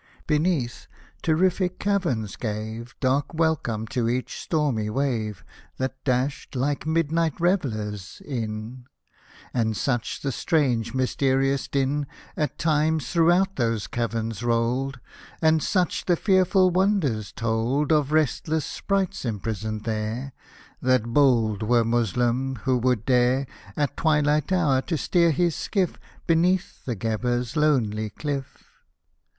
Beneath, terrific caverns gave Dark welcome to each stormy wave That dashed, like midnight revellers, in ;— And such the strange, mysterious din At times throughout those caverns rolled, — And such the fearful wonders told Of restless sprites imprisoned there, That bold were Moslem, who would dare, At twilight hour, to steer his skiff Beneath the Gheber's lonely cliff.